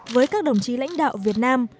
với các đồng chí lãnh đạo việt nam